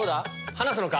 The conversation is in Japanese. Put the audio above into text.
離すのか？